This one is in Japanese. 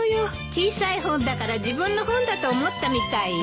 小さい本だから自分の本だと思ったみたいよ。